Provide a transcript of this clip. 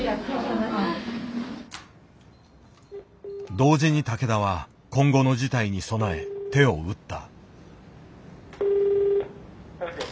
同時に竹田は今後の事態に備え手を打った。